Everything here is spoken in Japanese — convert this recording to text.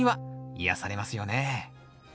癒やされますよね。